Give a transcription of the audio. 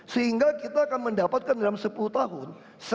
sehingga kita akan mendapatkan dalam sepuluh tahun